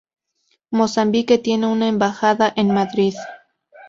Mozambique tiene una embajada en Madrid.